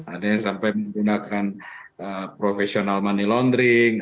ada yang sampai menggunakan profesional money laundering